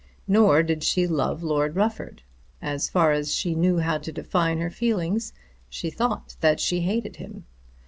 Nor did she love Lord Rufford. As far as she knew how to define her feelings, she thought that she hated him.